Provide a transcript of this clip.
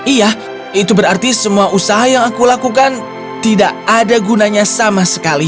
iya itu berarti semua usaha yang aku lakukan tidak ada gunanya sama sekali